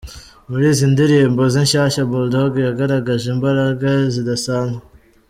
Muri izi ndirimbo ze nshyashya Bull Dogg yagaragaje imbaraga zidasanzwe.